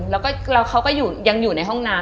แล้วก็เขาก็ยังอยู่ในห้องน้ำ